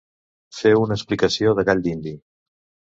Fer una explicació de gall dindi.